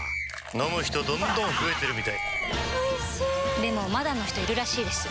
飲む人どんどん増えてるみたいおいしでもまだの人いるらしいですよ